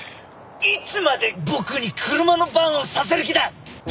いつまで僕に車の番をさせる気だ！？